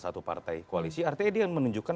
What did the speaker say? satu partai koalisi artinya dia menunjukkan